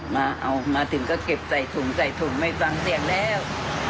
มาเอามาถึงก็เก็บใส่ถุงใส่ถุงไม่ฟังเสียงแล้ว